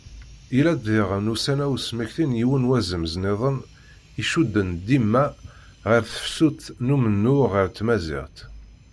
Yella-d diɣen ussan-a usmekti n yiwen wazemz nniḍen icudden dima ɣer tefsut d umennuɣ ɣef tmaziɣt.